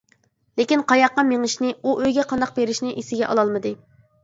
لېكىن قاياققا مېڭىشنى، ئۇ ئۆيگە قانداق بېرىشنى ئېسىگە ئالالمىدى.